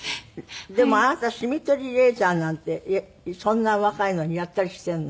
でもあなたシミとりレーザーなんてそんなお若いのにやったりしているの？